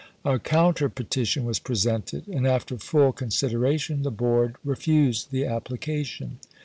A counter petition was presented; and after full consideration the Board refused the application.